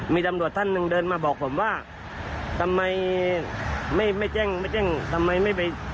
มีตำรวจท่านหนึ่งเดินมาบอกผมว่าทำไมไม่ไม่แจ้งไม่แจ้งทำไมไม่ไป